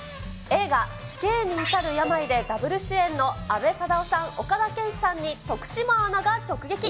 映画、死刑にいたる病でダブル主演の阿部サダヲさん、岡田健史さんに徳島アナが直撃。